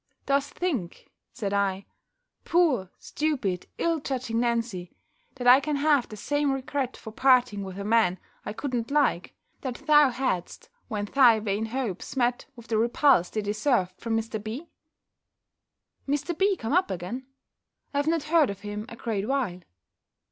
"Dost think," said I, "poor, stupid, ill judging Nancy, that I can have the same regret for parting with a man I could not like, that thou hadst, when thy vain hopes met with the repulse they deserved from Mr. B.?" "Mr. B. come up again? I have not heard of him a great while."